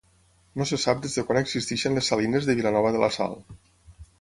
No sé sap des de quan existeixen les salines de Vilanova de la Sal.